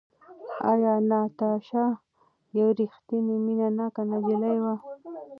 ایا ناتاشا یوه ریښتینې مینه ناکه نجلۍ وه؟